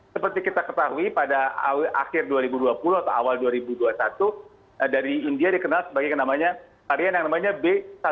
seperti kita ketahui pada akhir dua ribu dua puluh atau awal dua ribu dua puluh satu dari india dikenal sebagai varian yang namanya b seribu enam ratus tujuh belas